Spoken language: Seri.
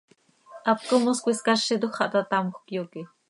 Haptco mos cöiscázitoj xah taa tamjöc, yoque.